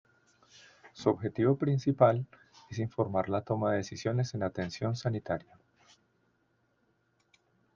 Su objetivo principal es informar la toma de decisiones en atención sanitaria.